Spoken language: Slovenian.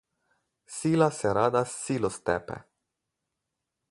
Sila se rada s silo stepe.